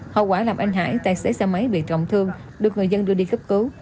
hậu quả làm anh hải tài xế xe máy bị trọng thương được người dân đưa đi cấp cứu